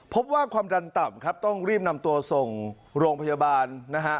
พบว่าความดันต่ำครับต้องรีบนำตัวส่งโรงพยาบาลนะฮะ